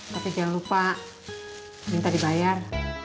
tapi jangan lupa minta dibayar